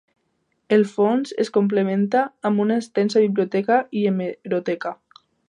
El fons es complementa amb una extensa biblioteca i hemeroteca.